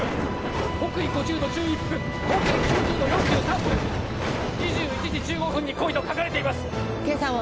「北緯５０度１１分東経９０度４３分」「２１時１５分に来い」と書かれています計算を！